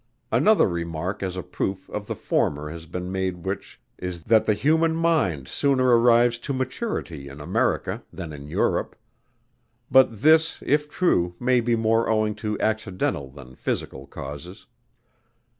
Another remark as a proof of the former has been made which is that the human mind sooner arrives to maturity in America than in Europe; but this if true may be more owing to accidental than physical causes.